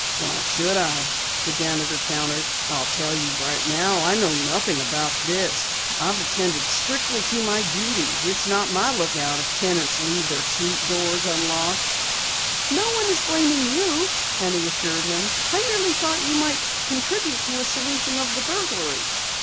"Why should I?" the janitor countered. "I'll tell you right now I know nothing about this. I've attended strictly to my duties. It's not my lookout if tenants leave their suite doors unlocked." "No one is blaming you," Penny assured him. "I merely thought you might contribute to a solution of the burglary."